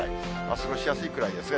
過ごしやすいくらいですね。